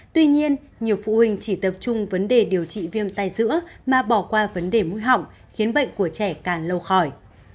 tuy nhiên nhiều phụ huynh chỉ tập trung vấn đề điều trị viêm tay giữa mà bỏ qua vấn đề mũi họng khiến bệnh của trẻ càng lâu khỏi